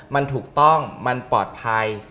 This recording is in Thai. มันถูกต้องมันปลอดภัย